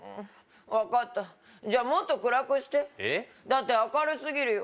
分かったじゃあもっと暗くしてだって明るすぎるよ